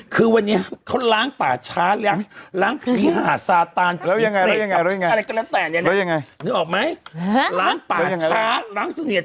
คือวันนี้เขาร้างป่าช้าล้างลิหะก็แล้วยังไงรู้ออกไหมงัย